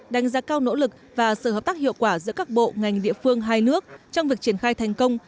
đánh giá cao nỗ lực và sự hợp tác hiệu quả giữa các bộ ngành địa phương hai nước trong việc triển khai thành công